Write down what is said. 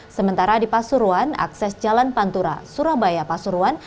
sementara di pasuruan akses jalan pantura surabaya pasuruan